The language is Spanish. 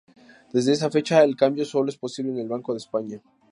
Desde esa fecha, el cambio solo es posible en el Banco de España.